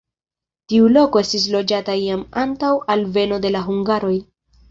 Tiu loko estis loĝata jam antaŭ alveno de la hungaroj.